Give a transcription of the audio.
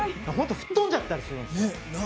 吹っ飛んじゃったりするんですよ。